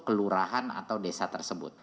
kelurahan atau desa tersebut